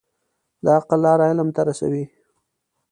د عقل لار علم ته رسوي.